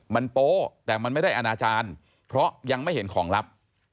มันโป๊แต่มันไม่ได้อนาจารย์เพราะยังไม่เห็นของลับ